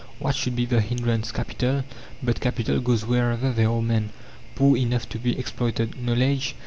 What should be the hindrance? Capital? But capital goes wherever there are men, poor enough to be exploited. Knowledge?